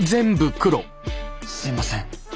すみません。